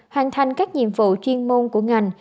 hoàn thành các nhiệm vụ chuyên môn của ngành